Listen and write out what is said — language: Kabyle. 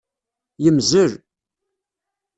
Yemmzel.